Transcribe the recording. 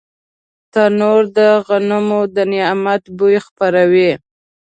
تنور د غنمو د نعمت بوی خپروي